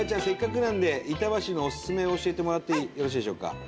せっかくなんで板橋のおすすめを教えてもらってよろしいでしょうか。